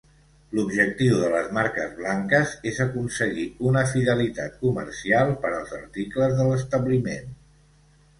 L'objectiu de les marques blanques és aconseguir una fidelitat comercial per als articles de l'establiment.